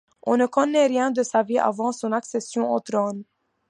On ne connaît rien de sa vie avant son accession au trône.